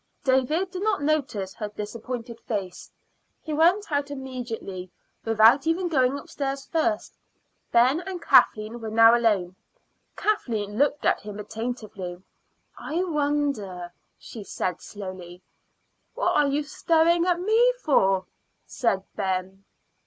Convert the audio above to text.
David did not notice her disappointed face; he went out immediately, without even going upstairs first. Ben and Kathleen were now alone. Kathleen looked at him attentively. "I wonder " she said slowly. "What are you staring at me for?" said Ben.